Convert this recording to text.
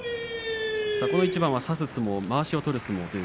この一番は差す相撲まわしを取る相撲でした。